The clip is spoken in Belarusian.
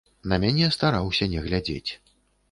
На мяне стараўся не глядзець.